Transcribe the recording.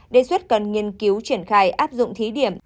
đề xuất cần nghiên cứu triển khai áp dụng thí điểm